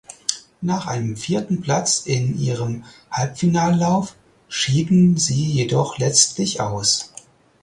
Nach einem vierten Platz in ihrem Halbfinallauf schieden sie jedoch letztlich aus.